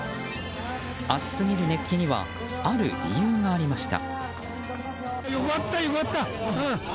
アツすぎる熱気にはある理由がありました。